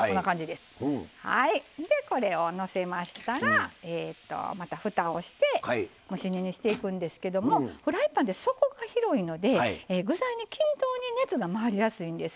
でこれをのせましたらまたふたをして蒸し煮にしていくんですけどもフライパンって底が広いので具材に均等に熱が回りやすいんです。